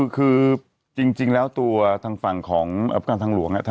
คือจริงแล้วตัวทางฝั่งของการทางหลวง